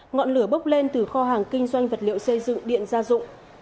ngọn lửa bốc lên từ kho hàng kinh doanh vật liệu xây dựng điện gia dụng